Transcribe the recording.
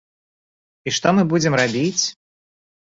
І што мы будзем рабіць?